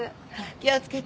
気を付けて。